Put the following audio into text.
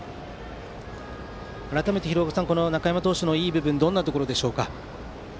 改めて、廣岡さん中山投手のいい部分はどんなところでしょうか。